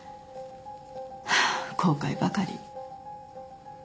ハァ後悔ばかり。